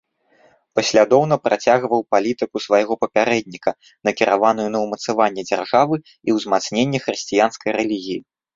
Паслядоўна працягваў палітыку свайго папярэдніка, накіраваную на ўмацаванне дзяржавы і ўзмацненне хрысціянскай рэлігіі.